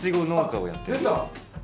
出た！